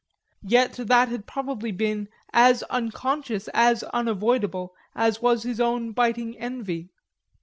Yet that had probably been as unconscious, as unavoidable as was his own biting envy.